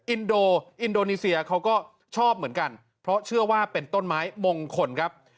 อินโดอินโดนีเซียเขาก็ชอบเหมือนกันเพราะเชื่อว่าเป็นต้นไม้มงคลครับ